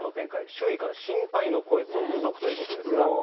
周囲から心配の声続々ということですが。